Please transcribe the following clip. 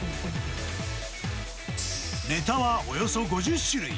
ネタはおよそ５０種類。